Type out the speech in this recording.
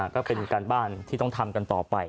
ก็เป็นการบ้านที่ต้องทำกันต่อไป